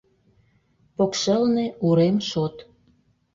Покшелне — урем шот.